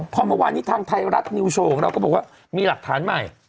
พอเมื่อวานนี้ทางไทยรัฐนิวโชว์ของเราก็บอกว่ามีหลักฐานใหม่